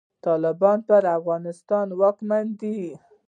طالبان پر افغانستان واکمن دی.